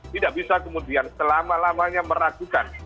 tidak bisa kemudian selama lamanya meragukan